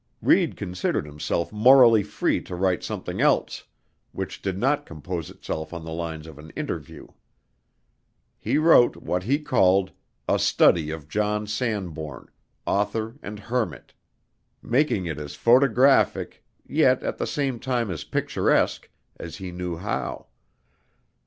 Reid considered himself morally free to write something else, which did not compose itself on the lines of an interview. He wrote what he called "A Study of John Sanbourne, Author and Hermit," making it as photographic, yet at the same time as picturesque, as he knew how.